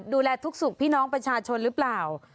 ดูแลทุกสุขพี่น้องประชาชนหรือเปล่า